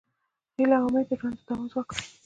هیله او امید د ژوند د دوام ځواک دی.